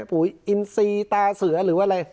ปุ๋ยอินซีตาเสือหรือว่าอะไร